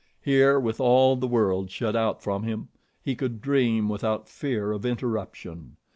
Here, with all the world shut out from him, he could dream without fear of interruption.